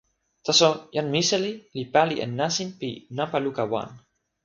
taso, jan Misali li pali e nasin pi nanpa luka wan.